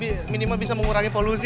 biar ya minimal bisa mengurangi polusi